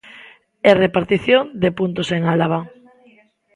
E repartición de puntos en Álava.